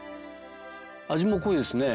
味も濃いですね。